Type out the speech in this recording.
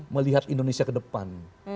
melihat indonesia ke depan